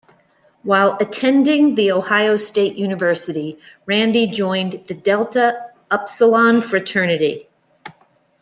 While attending the Ohio State University, Randy joined the Delta Upsilon Fraternity.